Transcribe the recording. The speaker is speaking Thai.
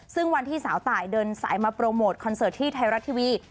ซึ่งวันที่สาวตายเดินสายมาโปรโมทคอนเสิร์ตที่ไทยรัฐทีวี